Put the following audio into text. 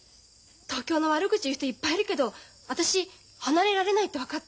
東京の悪口言う人いっぱいいるけど私離れられないって分かった。